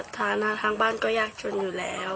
ฐานะทางบ้านก็ยากจนอยู่แล้ว